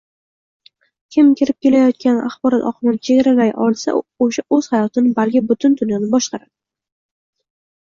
Kim kirib kelayotgan axborot oqimini chegaralay olsa, oʻsha oʻz hayotini, balki butun dunyoni boshqaradi.